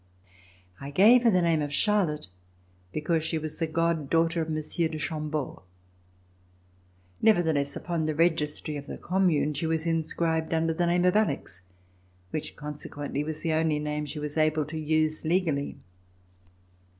I gave her the name of Charlotte, because she was the god daughter of Monsieur de Chambeau. Nevertheless, upon the Registry of the Commune, she was inscribed under the name of Alix, which consequently was the only name she was able to use legally.